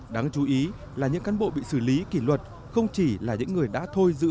đáng chú ý là những cán bộ bị xử lý kỷ luật không chỉ là những người đã thôi giữ